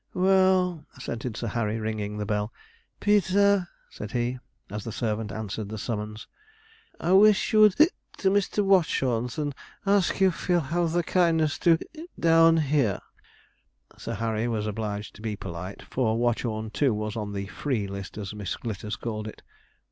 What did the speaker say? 'Well,' assented Sir Harry, ringing the bell. 'Peter,' said he, as the servant answered the summons, 'I wish you would to Mr. Watchorn's, and ask if he'll have the kindness to down here.' Sir Harry was obliged to be polite, for Watchorn, too, was on the 'free' list as Miss Glitters called it.